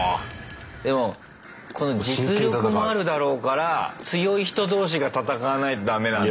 でもこの実力もあるだろうから強い人同士が戦わないと駄目なんだ。